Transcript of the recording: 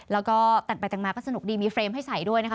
แล้วก็แต่งไปแต่งมาก็สนุกดีมีเฟรมให้ใส่ด้วยนะคะ